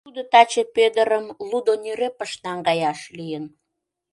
Тудо таче Пӧдырым «лудо нӧрепыш» наҥгаяш лийын.